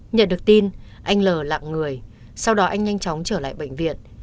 nhận được tin anh l lạng người sau đó anh nhanh chóng trở lại bệnh viện